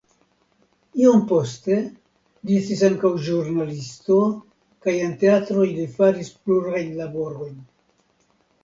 Iom poste li estis ankaŭ ĵurnalisto kaj en teatroj li faris plurajn laborojn.